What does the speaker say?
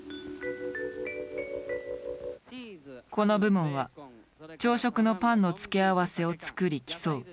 この部門は朝食のパンの付け合わせを作り競う。